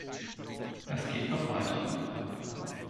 Es geht noch weiter.